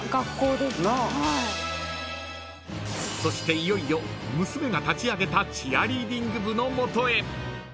［そしていよいよ娘が立ち上げたチアリーディング部のもとへ］